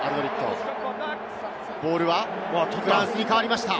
ボールはフランスに変わりました。